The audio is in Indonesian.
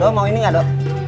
do mau ini gak do